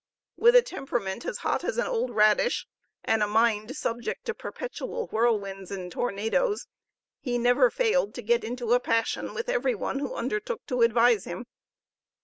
With a temperament as hot as an old radish, and a mind subject to perpetual whirlwinds and tornadoes, he never failed to get into a passion with every one who undertook to advise him.